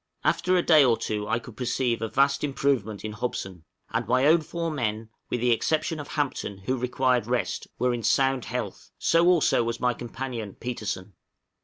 After a day or two I could perceive a vast improvement in Hobson; and my own four men, with the exception of Hampton, who required rest, were in sound health; so also was my companion Petersen.